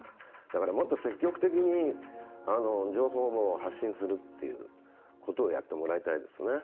だから、もっと積極的に情報を発信するっていうことをやってもらいたいですね。